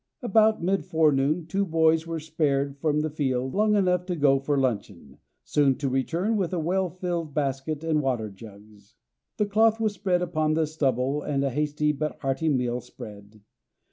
About mid forenoon two boys were spared from the field long enough to go for luncheon, soon to return with a well filled basket and water jugs. The cloth was spread upon the stubble and a hasty but hearty meal spread.